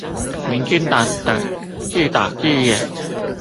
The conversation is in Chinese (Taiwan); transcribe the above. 民進黨的自導自演